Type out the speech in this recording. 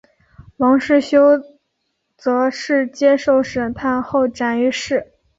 王世修则是接受审判后斩于市。